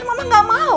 mama gak mau